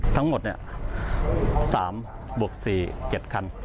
ทั้งหมด๓บวก๔๗คัน